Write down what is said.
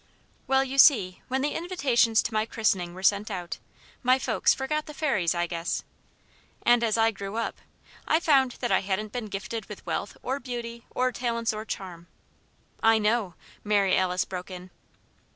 "Well, you see, when the invitations to my christening were sent out, my folks forgot the fairies, I guess. And as I grew up, I found that I hadn't been gifted with wealth or beauty or talents or charm " "I know," Mary Alice broke in.